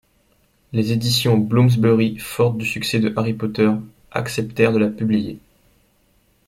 Les éditions Bloomsbury, fortes du succès de Harry Potter, acceptèrent de la publier.